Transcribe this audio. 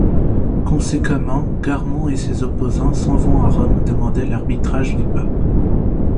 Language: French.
Conséquemment, Garmond et ses opposants s'en vont à Rome demander l'arbitrage du pape.